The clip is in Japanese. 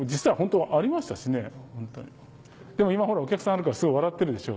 でも今お客さんあるからすごい笑ってるでしょ。